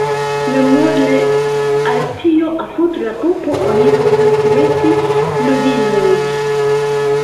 Memore al tio apud la pupo oni povas meti ludilojn.